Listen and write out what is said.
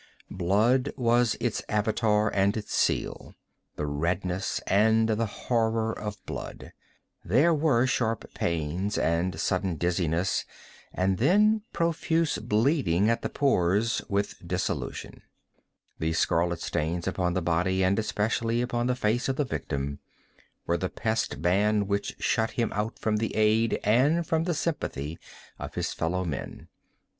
Blood was its Avatar and its seal—the redness and the horror of blood. There were sharp pains, and sudden dizziness, and then profuse bleeding at the pores, with dissolution. The scarlet stains upon the body and especially upon the face of the victim, were the pest ban which shut him out from the aid and from the sympathy of his fellow men.